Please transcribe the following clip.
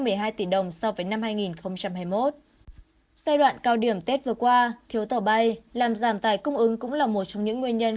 giai đoạn cao điểm tết vừa qua thiếu tàu bay làm giảm tài cung ứng cũng là một trong những nguyên nhân